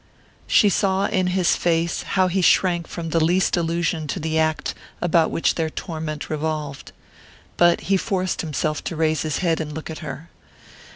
She saw in his face how he shrank from the least allusion to the act about which their torment revolved. But he forced himself to raise his head and look at her.